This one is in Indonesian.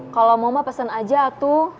kalo mau mah pesen aja atu